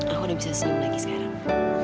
aku udah bisa sam lagi sekarang